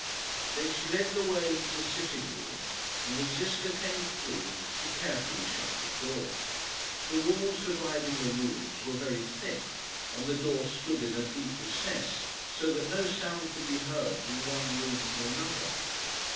Then she led the way into the sitting room, and as Ziska came through, she carefully shut the door. The walls dividing the rooms were very thick, and the door stood in a deep recess, so that no sound could be heard from one room to another.